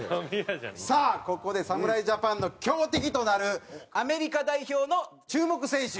さあここで侍ジャパンの強敵となるアメリカ代表の注目選手。